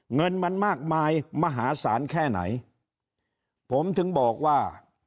เงินมันมากมายมหาศาลแค่ไหนผมถึงบอกว่า